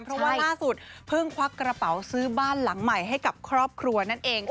เพราะว่าล่าสุดเพิ่งควักกระเป๋าซื้อบ้านหลังใหม่ให้กับครอบครัวนั่นเองค่ะ